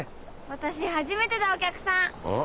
私初めてだお客さん。